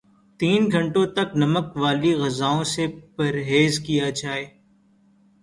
تین گھنٹوں تک نمک والی غذاوں سے پرہیز کیا جائے